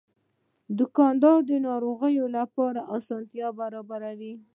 دوکاندار د ناروغانو لپاره اسانتیا برابروي.